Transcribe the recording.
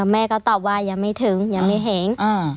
แม่ก็ตอบว่ายังไม่ถึงยังไม่เห็น